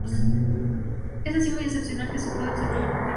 Así es muy excepcional que se pueda observar la cumbre nevada.